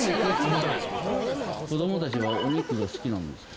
子どもたちはお肉が好きなんですか？